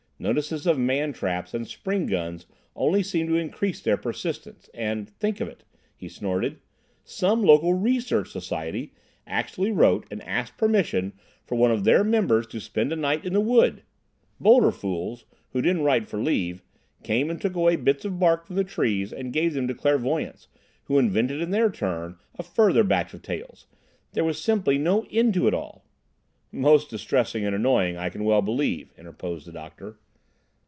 Notices of man traps and spring guns only seemed to increase their persistence; and—think of it," he snorted, "some local Research Society actually wrote and asked permission for one of their members to spend a night in the wood! Bolder fools, who didn't write for leave, came and took away bits of bark from the trees and gave them to clairvoyants, who invented in their turn a further batch of tales. There was simply no end to it all." "Most distressing and annoying, I can well believe," interposed the doctor.